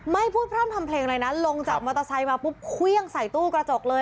ไม่พูดพร่ำทำเพลงอะไรนะลงจากมอเตอร์ไซค์มาปุ๊บเครื่องใส่ตู้กระจกเลย